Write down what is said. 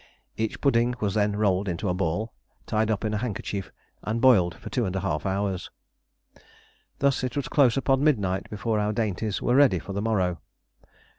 Each pudding was then rolled into a ball, tied up in a handkerchief, and boiled for two and a half hours. Thus it was close upon midnight before our dainties were ready for the morrow.